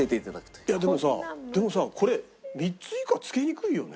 いやでもさでもさこれ３つ以下つけにくいよね？